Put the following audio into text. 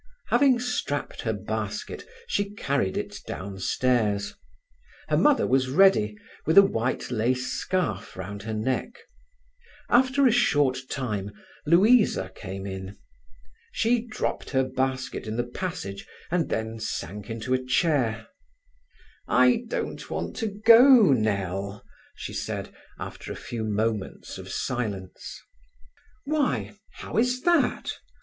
Having strapped her basket, she carried it downstairs. Her mother was ready, with a white lace scarf round her neck. After a short time Louisa came in. She dropped her basket in the passage, and then sank into a chair. "I don't want to go, Nell," she said, after a few moments of silence. "Why, how is that?"